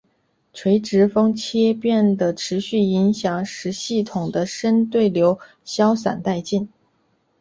垂直风切变的持续影响使系统的深对流消散殆尽。